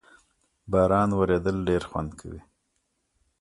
باران ورېدل ډېر خوند کوي